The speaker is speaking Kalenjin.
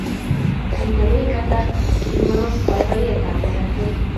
Kiteb Kata kingoro boiboiyetab neratat